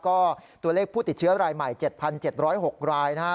ก็ตัวเลขผู้ติดเชื้อรายใหม่๗๗๐๖รายนะครับ